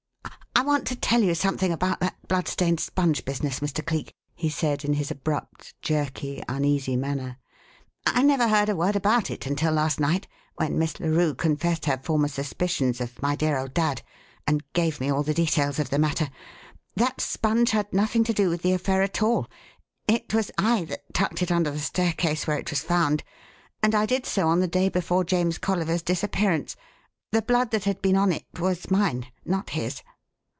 "I want to tell you something about that bloodstained sponge business, Mr. Cleek," he said in his abrupt, jerky, uneasy manner. "I never heard a word about it until last night, when Miss Larue confessed her former suspicions of my dear old dad, and gave me all the details of the matter. That sponge had nothing to do with the affair at all. It was I that tucked it under the staircase where it was found, and I did so on the day before James Colliver's disappearance. The blood that had been on it was mine, not his."